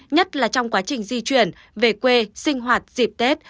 nhất là trong quá trình di chuyển về quê sinh hoạt dịp tết